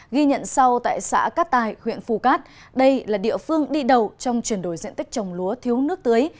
ghi nhận sau tại xã cát tài huyện phù cát đây là địa phương đi đầu trong chuyển đổi diện tích trồng lúa thiếu nước tưới